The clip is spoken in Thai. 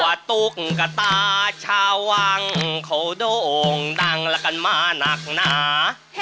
ตุ๊กกะตาชาววังเขาโด่งดังและกันมาหนักหนา